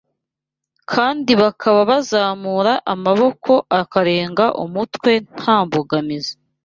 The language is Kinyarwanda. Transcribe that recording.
kandi bakaba bazamura amaboko akarenga umutwe nta mbogamizi.